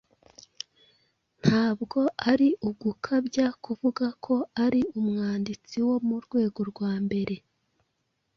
Ntabwo ari ugukabya kuvuga ko ari umwanditsi wo mu rwego rwa mbere.